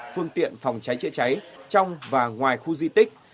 phương tiện phòng cháy chữa cháy trong và ngoài khu di tích